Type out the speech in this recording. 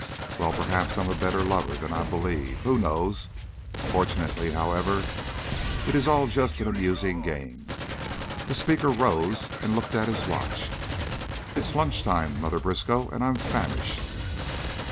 "Well, perhaps I'm a better lover than I believe. Who knows? Fortunately, however, it is all just an amusing game." The speaker rose and looked at his watch. "It is lunch time, Mother Briskow, and I'm famished."